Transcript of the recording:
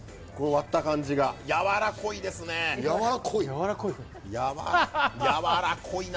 割った感じが。やわらこいですね。やわらこい？